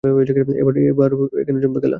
এবার জমবে খেলা!